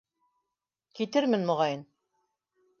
Китермен моғайын.